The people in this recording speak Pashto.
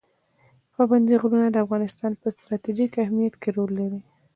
پابندي غرونه د افغانستان په ستراتیژیک اهمیت کې رول لري.